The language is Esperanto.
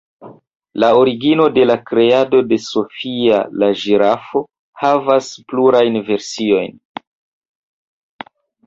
La origino de la kreado de "Sofio la ĝirafo" havas plurajn versiojn.